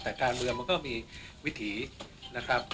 แต่การเมืองมันก็มีวิถีนะครับ